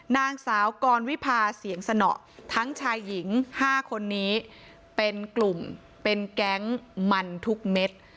นางสาวกรวิพาเสียงสนอทั้งชายหญิง๕คนนี้เป็นกลุ่มเป็นแก๊งมันทุกเม็ด